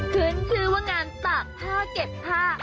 ขึ้นชื่อว่างานตากผ้าเก็บผ้า